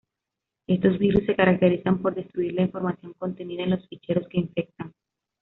Estos virus se caracterizan por destruir la información contenida en los ficheros que infectan.